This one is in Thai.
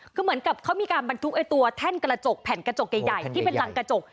คือเหมือนกับเขามีการบรรทุกตัวแท่นกระจกแผ่นกระจกใหญ่ที่เป็นรังกระจก